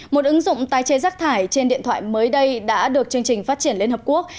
một ứng dụng tái chế rác thải trên điện thoại mới đây đã được chương trình phát triển liên hợp quốc